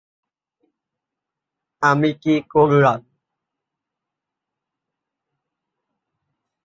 আমি কি করলাম?